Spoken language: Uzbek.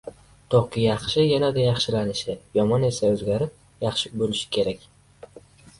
toki yaxshi yanada yaxshilanishi, yomon esa o‘zgarib, yaxshi bo‘lishi kerak.